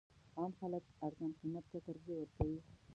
عام خلک ارزان قیمت ته ترجیح ورکوي.